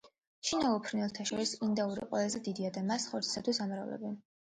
შინაურ ფრინველთა შორის ინდაური ყველაზე დიდია და მას ხორცისათვის ამრავლებენ.